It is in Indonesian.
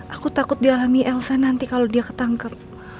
aku takut dia alami elsa nanti kalau dia ketangkep